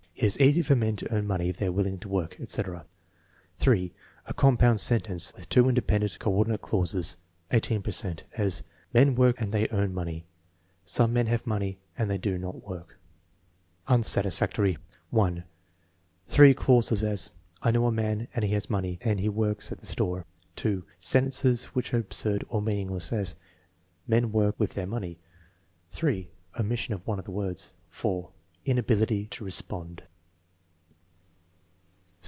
"It is easy for men to earn money if they are willing to work," etc. (3) A compound sentence with two independent, coordinate clauses (13 per cent) ; as: "Men work and they earn money." "Some men have money and they do not work." Unsatisfactory: (1) Three clauses; as: "I know a man and he has money, and he works at the store." (2) Sentences which are absurd or meaningless; as: "Men work with their money." (3) Omission of one of the words. (4) Inability to respond.